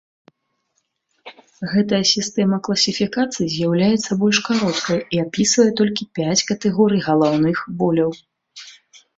Гэтая сістэма класіфікацыі з'яўляецца больш кароткай і апісвае толькі пяць катэгорый галаўных боляў.